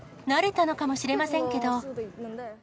慣れたのかもしれませんけど。